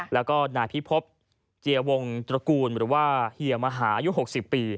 แล้วก็นายพิพบเจียวงตระกูลหรือว่าเฮียมหาอายุ๖๐ปี